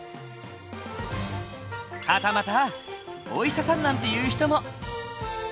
はたまたお医者さんなんていう人も。